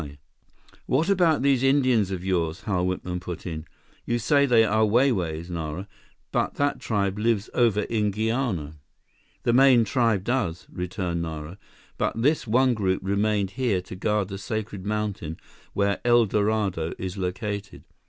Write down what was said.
"What about these Indians of yours?" Hal Whitman put in. "You say they are Wai Wais, Nara, but that tribe lives over in Guiana." "The main tribe does," returned Nara, "but this one group remained here to guard the sacred mountain, where El Dorado is located.